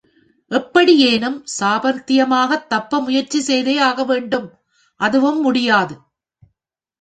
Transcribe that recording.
எப்படியேனும் சாமர்த்தியமாகத் தப்ப முயற்சி செய்தே ஆகவேண்டும். அதுவும் முடியாது.